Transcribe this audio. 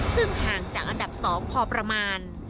ซึ่งห่างจากอันดับ๒พอประมาณ